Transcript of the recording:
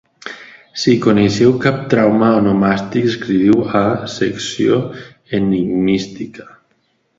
Si coneixeu cap trauma onomàstic, escriviu a Secció Enigmística.